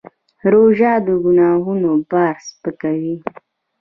روژه د ګناهونو بار سپکوي.